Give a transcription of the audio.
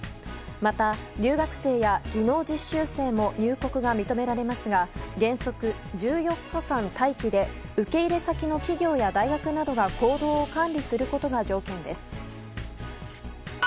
また、留学生や技能実習生も入国が認められますが原則１４日間待機で受け入れ先の企業や大学などが行動を管理することが条件です。